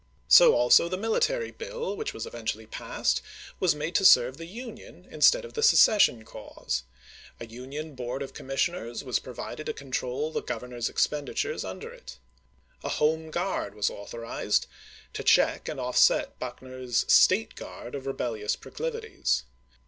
So also the military biU which was eventually passed was made to serve the Union instead of the secession cause ; a Union Board of Commissioners was provided to control the Governor's expendi tures under it. A " Home Guard " was authorized, to check and offset Buckner's " State Guard " of rebellious proclivities.